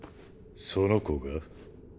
その子が？